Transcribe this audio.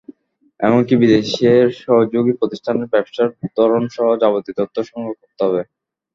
এমনকি বিদেশের সহযোগী প্রতিষ্ঠানের ব্যবসার ধরনসহ যাবতীয় তথ্য সংরক্ষণ করতে হবে।